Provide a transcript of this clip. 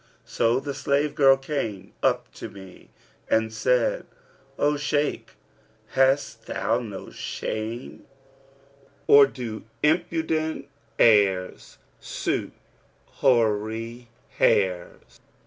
So the slave girl came up to me and said, 'O Shaykh, hast thou no shame, or do impudent airs suit hoary hairs?'